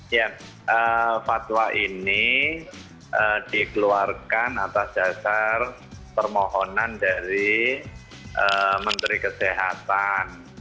ya fatwa ini dikeluarkan atas dasar permohonan dari menteri kesehatan